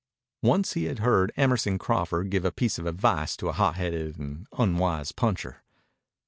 Once he had heard Emerson Crawford give a piece of advice to a hotheaded and unwise puncher.